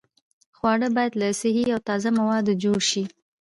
خواړه باید له صحي او تازه موادو جوړ شي.